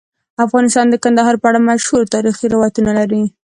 افغانستان د کندهار په اړه مشهور تاریخی روایتونه لري.